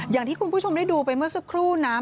อย่างที่คุณผู้ชมได้ดูไปเมื่อสักครู่นะ